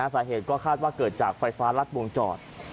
สาเหตุก็คาดว่าเกิดจากไฟฟ้ารัดวงจอด